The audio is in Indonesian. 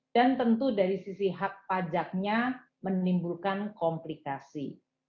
dan tentu dari sisi hak pajaknya menimbulkan komplikasi